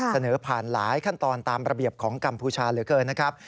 เสนอผ่านหลายขั้นตอนตามระเบียบของกัมพูชาเหลือเกินนะครับ